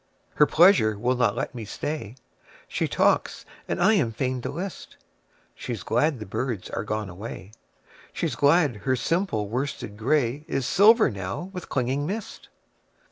Her pleasure will not let me stay. She talks and I am fain to list:She's glad the birds are gone away, She's glad her simple worsted grayIs silver now with clinging mist.